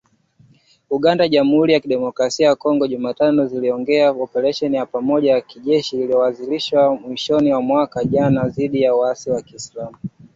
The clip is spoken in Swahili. Uganda na Jamhuri ya Kidemokrasi ya Kongo, Jumatano ziliongeza operesheni ya pamoja ya kijeshi iliyoanzishwa mwishoni mwa mwaka jana dhidi ya waasi wa kiislam